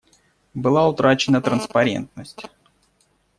Была утрачена транспарентность.